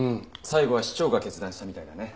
最後は市長が決断したみたいだね。